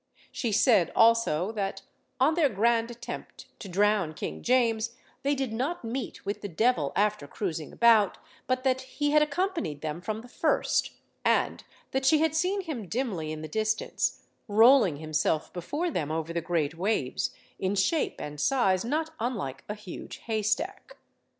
She said also, that on their grand attempt to drown King James, they did not meet with the devil after cruising about, but that he had accompanied them from the first, and that she had seen him dimly in the distance, rolling himself before them over the great waves, in shape and size not unlike a huge haystack.